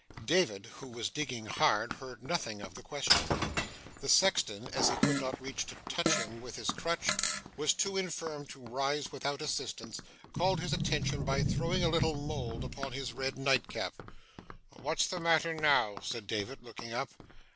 David, who was digging hard, heard nothing of the question. The sexton, as he could not reach to touch him with his crutch, and was too infirm to rise without assistance, called his attention by throwing a little mould upon his red nightcap. 'What's the matter now?' said David, looking up.